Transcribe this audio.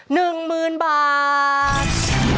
๑หมื่นบาท